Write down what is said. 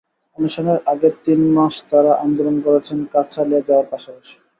অনশনের আগের তিন মাস তাঁরা আন্দোলন করেছেন কাজ চালিয়ে যাওয়ার পাশাপাশি।